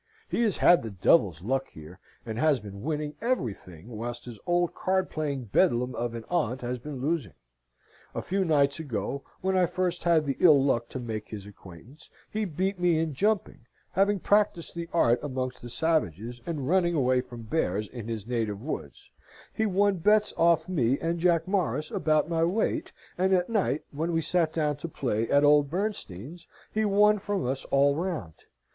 "He has had the devil's luck here, and has been winning everything, whilst his old card playing beldam of an aunt has been losing. A few nights ago, when I first had the ill luck to make his acquaintance, he beat me in jumping (having practised the art amongst the savages, and running away from bears in his native woods); he won bets off me and Jack Morris about my weight; and at night, when we sat down to play, at old Bernstein's, he won from us all round.